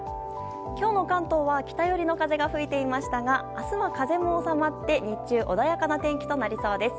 今日の関東は北寄りの風が吹いていましたが明日は風も収まって日中穏やかな天気となりそうです。